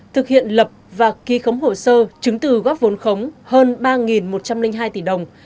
thực hiện lập và ký khống hồ sơ chứng từ góp vốn khống hơn ba một trăm linh hai tỷ đồng